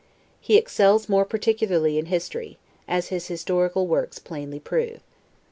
He excels more particularly in history, as his historical works plainly prove.